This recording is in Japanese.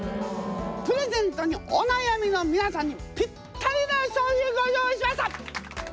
プレゼントにお悩みの皆さんにぴったりな商品ご用意しました！